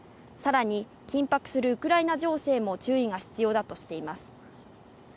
さらに緊迫するウクライナ情勢も注意が必要だとしています。